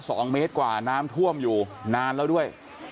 สองเมตรกว่าน้ำท่วมอยู่นานแล้วด้วย